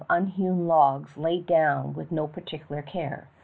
unhewn logs laid down with no particular care.